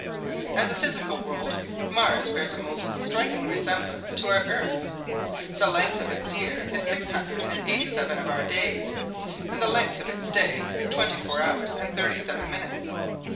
As a physical world Mars bears a most striking resemblance to our Earth. The length of its year is six hundred and eighty seven of our days, and the length of its day is twenty four hours and thirty seven minutes.